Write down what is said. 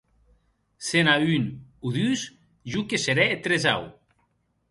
Se n’a un o dus, jo que serè eth tresau.